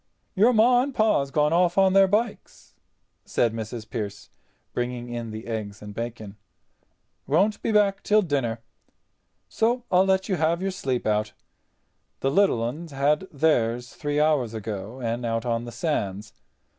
"Your Ma and Pa's gone off on their bikes," said Mrs. Pearce, bringing in the eggs and bacon, "won't be back till dinner. So I let you have your sleep out. The little 'uns had theirs three hours ago and out on the sands.